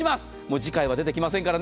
次回はもう出てきませんからね。